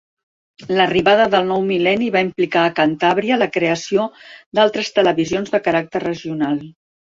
L'arribada del nou mil·lenni va implicar a Cantàbria la creació d'altres televisions de caràcter regional.